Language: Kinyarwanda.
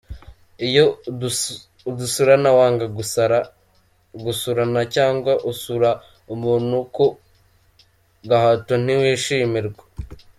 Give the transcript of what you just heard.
Iyo udasurana, wanga gusurana cyangwa usura umuntu ku gahato, ntiwishimirwa.